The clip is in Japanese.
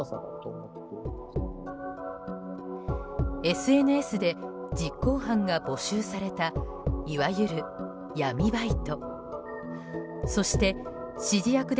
ＳＮＳで実行犯が募集されたいわゆる闇バイト。